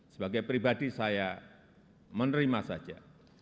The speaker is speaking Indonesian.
sebagai pribadi saya menerima saja